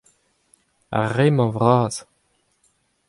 Ar re-mañ vras.